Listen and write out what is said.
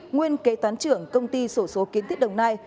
nguyên kế toán trưởng công ty sổ số kiến thiết đồng nai